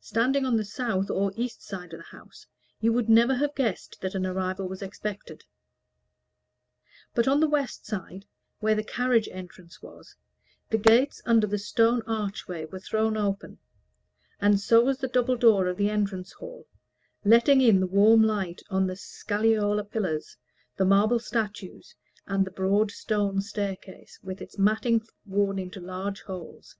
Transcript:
Standing on the south or east side of the house, you would never have guessed that an arrival was expected. But on the west side, where the carriage entrance was, the gates under the stone archway were thrown open; and so was the double door of the entrance hall, letting in the warm light on the scagliola pillars, the marble statues, and the broad stone staircase, with its matting worn into large holes.